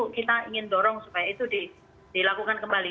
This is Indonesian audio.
kita ingin dorong supaya itu dilakukan kembali